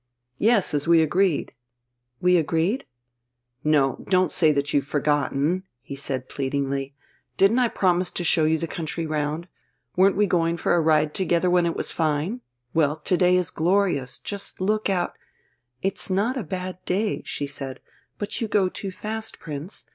"Yes, as we agreed." "We agreed?" "No, don't say that you've forgotten!" he said pleadingly. "Didn't I promise to show you the country round? Weren't we going for a ride together when it was fine? Well, to day it's glorious. Just look out ..." "It's not a bad day," she said, "but you go too fast, Prince.